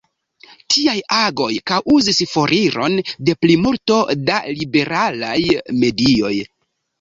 Tiaj agoj kaŭzis foriron de plimulto da liberalaj medioj.